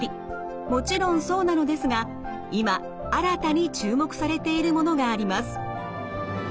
もちろんそうなのですが今新たに注目されているものがあります。